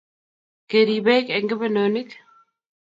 Kerip bek eng kebenonik